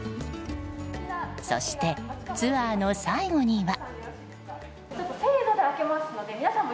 そして、ツアーの最後には。